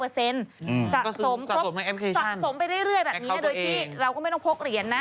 สะสมครบสะสมไปเรื่อยแบบนี้โดยที่เราก็ไม่ต้องพกเหรียญนะ